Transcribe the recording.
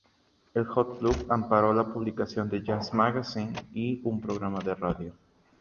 El Hot-Club amparó la publicación de Jazz Magazine y un programa de radio.